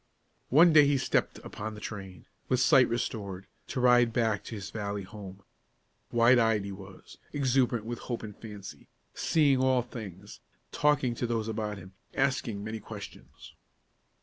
One day he stepped upon the train, with sight restored, to ride back to his valley home. Wide eyed he was; exuberant with hope and fancy, seeing all things, talking to those about him, asking many questions.